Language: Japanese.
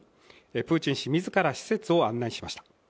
プーチン氏自ら施設を案内しました。